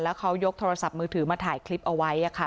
แล้วเขายกโทรศัพท์มือถือมาถ่ายคลิปเอาไว้